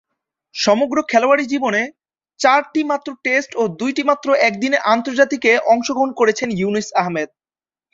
সমগ্র খেলোয়াড়ী জীবনে চারটিমাত্র টেস্ট ও দুইটিমাত্র একদিনের আন্তর্জাতিকে অংশগ্রহণ করেছেন ইউনুস আহমেদ।